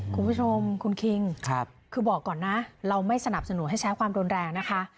คุณผู้ชมคุณคิงคือบอกก่อนนะเราไม่สนับสนุนให้ใช้ความรุนแรงนะคะ